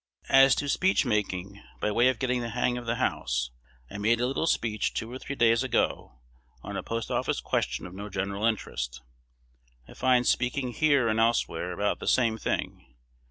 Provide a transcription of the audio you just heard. As to speech making, by way of getting the hang of the House, I made a little speech two or three days ago, on a post office question of no general interest. I find speaking here and elsewhere about the same thing.